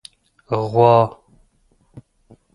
🐄 غوا